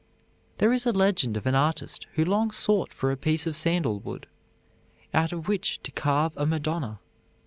There is a legend of an artist who long sought for a piece of sandalwood, out of which to carve a Madonna.